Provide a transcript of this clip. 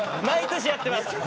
毎年やってます。